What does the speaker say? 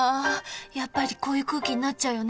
やっぱりこういう空気になっちゃうよね